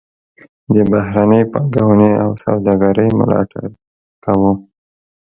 د بهرنۍ پانګونې او سوداګرۍ ملاتړ کاوه.